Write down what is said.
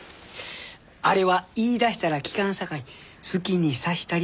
「あれは言い出したら聞かんさかい好きにさしたり」